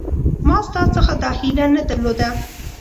ما ستا څخه دا هیله نه درلوده